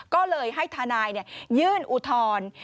ก็เลยให้ทานายเนี่ยยื่นอุทร